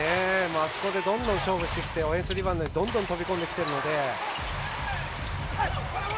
あそこでどんどん勝負してオフェンスリバウンドでどんどん飛び込んできてるので。